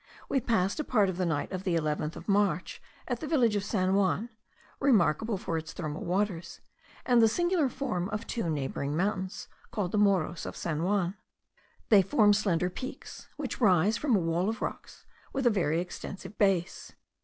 We passed a part of the night of the 11th of March at the village of San Juan, remarkable for its thermal waters, and the singular form of two neighbouring mountains, called the Morros of San Juan. They form slender peaks, which rise from a wall of rocks with a very extensive base.